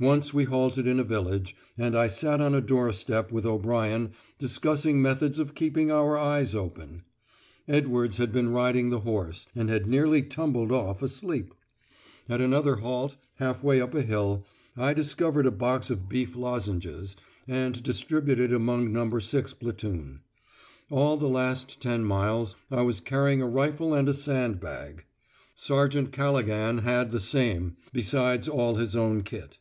Once we halted in a village, and I sat on a doorstep with O'Brien discussing methods of keeping our eyes open. Edwards had been riding the horse, and had nearly tumbled off asleep. At another halt, half way up a hill, I discovered a box of beef lozenges and distributed it among No. 6 platoon. All the last ten miles I was carrying a rifle and a sand bag. Sergeant Callaghan had the same, besides all his own kit.